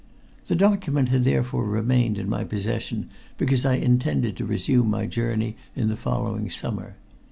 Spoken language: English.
The document had therefore remained in my possession because I intended to resume my journey in the following summer.